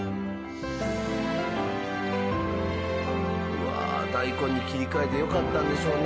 うわ大根に切り替えてよかったんでしょうね。